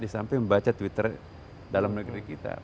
sampai membaca twitter dalam negeri kita